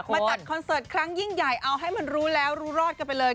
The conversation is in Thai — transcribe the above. จัดคอนเสิร์ตครั้งยิ่งใหญ่เอาให้มันรู้แล้วรู้รอดกันไปเลย